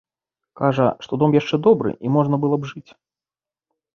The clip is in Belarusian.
Кажа, што дом яшчэ добры і можна было б жыць.